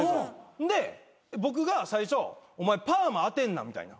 で僕が最初お前パーマ当てんなみたいな。